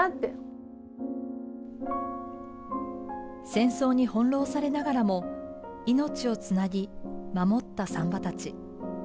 戦争に翻弄されながらも命をつなぎ守った産婆たち。